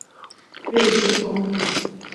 瑞金公路